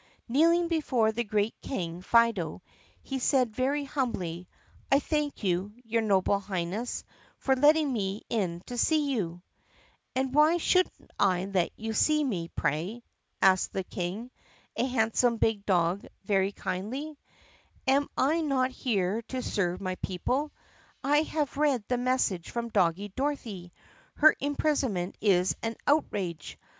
Kneeling before the great King Fido he said very humbly, "I thank you, your Noble Highness, for letting me in to see you." "And why should n't I let you see me, pray?" asked the King, a handsome big dog, very kindly. "Am I not here to serve my people? I have read the message from Doggie Dorothy. Her imprisonment is an outrage.